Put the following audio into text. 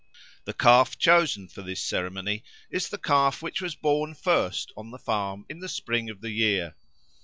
The calf chosen for this ceremony is the calf which was born first on the farm in the spring of the year.